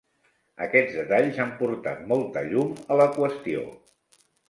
Aquests detalls han portat molta llum a la qüestió.